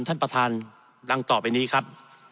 ท่านประธานดังต่อไปนี้ครับ